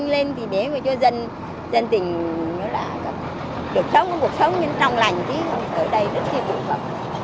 cho lên thì bé ngồi cho dân dân tình được sống có cuộc sống nhưng trong lành thì ở đây rất là bụng bậc